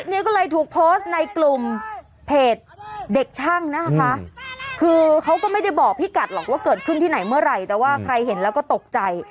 เนี่ยก็เลยถูกโพสต์ในกลุ่มเพจเด็กช่างนะคะคือเขาก็ไม่ได้บอกพี่กัดหรอกว่าเกิดขึ้นที่ไหนเมื่อไหร่แต่ว่าใครเห็นแล้วก็ตกใจ